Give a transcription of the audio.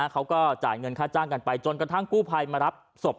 เขาก็จ่ายเงินค่าจ้างกันไปจนกระทั่งกู้ภัยมารับศพ